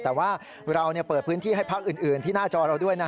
แต่ว่าเราเปิดพื้นที่ให้พักอื่นที่หน้าจอเราด้วย